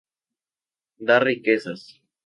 Da riquezas.